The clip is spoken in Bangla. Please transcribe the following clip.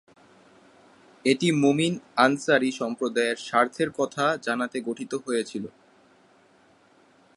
এটি মমিন আনসারী সম্প্রদায়ের স্বার্থের কথা জানাতে গঠিত হয়েছিল।